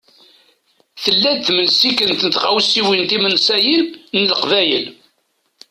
Tella-d temsikent n tɣawsiwin timensayin n Leqbayel.